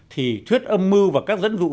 thì thuyết âm mưu và các dân vụ